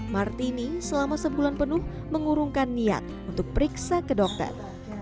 martini selama sebulan penuh mengurungkan niat untuk periksa ke dokter